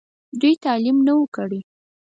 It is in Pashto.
دوي تعليم نۀ وو کړی